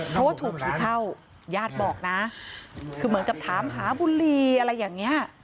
เพราะว่าถูกผีเข้าญาติบอกนะคือเหมือนกับถามหาบุหรี่อะไรอย่างนี้